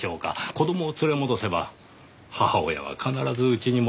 子供を連れ戻せば母親は必ず家に戻ります。